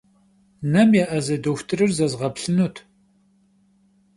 Nem yê'eze doxutırır zezğeplhınut.